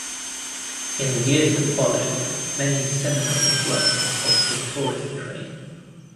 In the years that followed, many Seminoles worked in the cultural tourism trade.